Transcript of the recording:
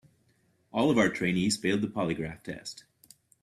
All of our trainees failed the polygraph test.